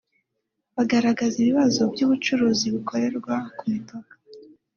bagaragaje ibibazo by’ubucuruzi bukorerwa ku mipaka